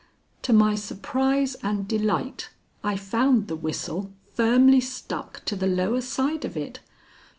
To my surprise and delight, I found the whistle firmly stuck to the lower side of it.